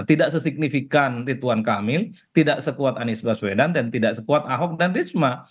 tidak sesignifikan rituan kamil tidak sekuat anies baswedan dan tidak sekuat ahok dan risma